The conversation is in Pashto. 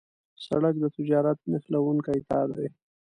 سړک د تجارت نښلونکی تار دی.